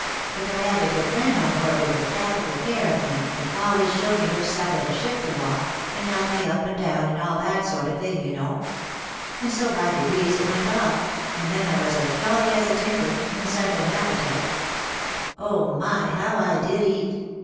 " But I had a good friend on board who took capital care of me, and always showed me which side of the sliip to walk, and helped me up and down, and all that sort of thing, you know ; and so by degrees it went off, and then I was as jolly as a tinker, and such an appetite I Oh, my ! How I did eat